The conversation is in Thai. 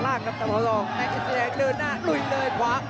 สายครับดูครับสายกันหนักครับ